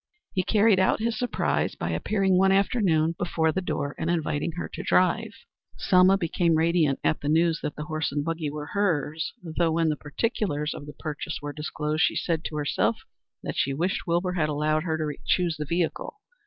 He carried out his surprise by appearing one afternoon before the door and inviting her to drive. Selma became radiant at the news that the horse and buggy were hers, though, when the particulars of the purchase were disclosed she said to herself that she wished Wilbur had allowed her to choose the vehicle.